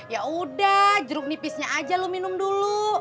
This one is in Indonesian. ya udah jeruk nipisnya aja lu minum dulu